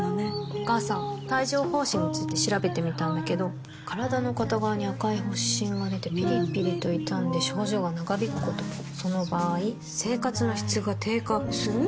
お母さん帯状疱疹について調べてみたんだけど身体の片側に赤い発疹がでてピリピリと痛んで症状が長引くこともその場合生活の質が低下する？